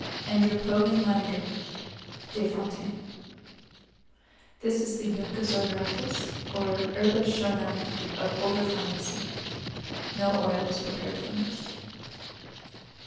Andropogon laniger Desf.—This is the Juncus odoratus or Herba Schoenanthi of older pharmacy. No oil is prepared from this.